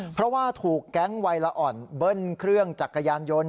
เพราะว่าถูกแก๊งวัยละอ่อนเบิ้ลเครื่องจักรยานยนต์